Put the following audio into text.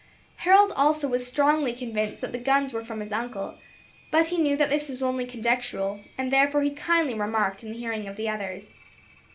Harold also was strongly convinced that the guns were from his uncle, but he knew that this was only conjectural, and therefore he kindly remarked in the hearing of the others.